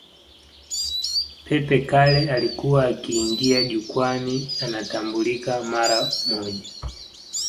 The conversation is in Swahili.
Pepe Kalle alikuwa akiingia jukwani anatambulika mara moja